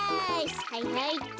はいはいっと。